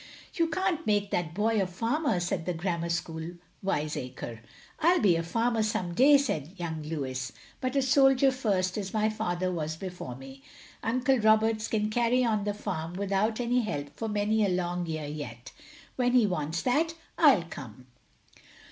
"You can't make that boy a farmer, " said the granmiar school wiseacre. " I '11 be a farmer some day, " said young Louis, "but a soldier first as my father was before me. Uncle Roberts can carry on the farm without my help for many a long year yet. When he wants that, I '11 come."